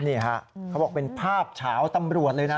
เขาบอกเป็นภาพเฉาตำรวจเลยนะ